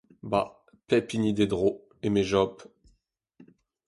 « Ba ! pep hini d’e dro », eme Job.